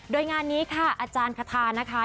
โดยงานนี้ค่ะอาจารย์คาทานะคะ